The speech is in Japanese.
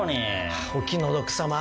お気の毒さま。